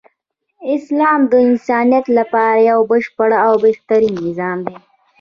اسلام د انسانیت لپاره یو بشپړ او بهترین نظام دی .